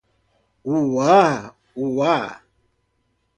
Uauá